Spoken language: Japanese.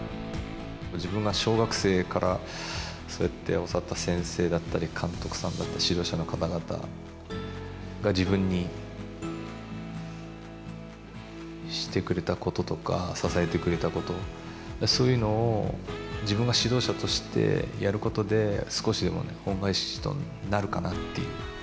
自分が小学生からそうやって教わった先生だったり、監督さんだったり、指導者の方々が、自分にしてくれたこととか、支えてくれたこと、そういうのを自分が指導者としてやることで、少しでも恩返しとなるかなっていう。